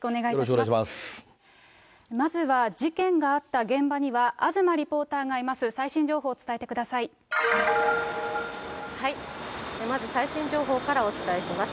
まずは事件があった現場には、東リポーターがいます。